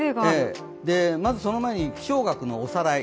まずその前に気象学のおさらい。